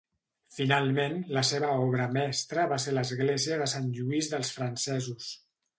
Finalment, la seva obra mestra va ser l'església de Sant Lluís dels Francesos.